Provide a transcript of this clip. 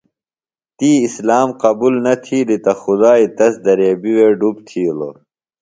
تی اسلام قبُل نہ تِھیلیۡ تہ خُدائی تس دریبیۡ وے ڈُپ تِھیلوۡ۔